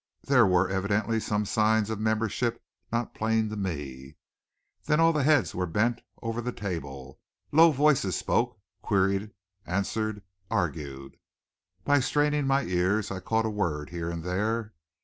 There were evidently some signs of membership not plain to me. Then all the heads were bent over the table. Low voices spoke, queried, answered, argued. By straining my ears I caught a word here and there.